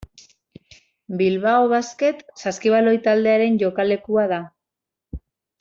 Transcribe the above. Bilbao Basket saskibaloi taldearen jokalekua da.